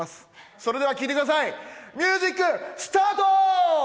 それでは聴いてください、ミュージックスタート！